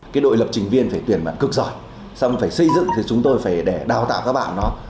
cái đội lập trình viên phải tuyển mạng cực giỏi xong phải xây dựng thì chúng tôi phải để đào tạo các bạn đó